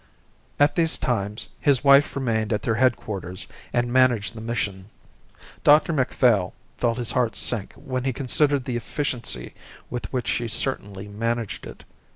At these times his wife remained at their headquarters and managed the mission. Dr Macphail felt his heart sink when he considered the efficiency with which she certainly managed it.